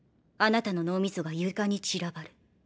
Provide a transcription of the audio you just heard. あなたの脳みそが床に散らばる。